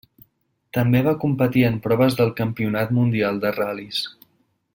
També va competir en proves del Campionat Mundial de Ral·lis.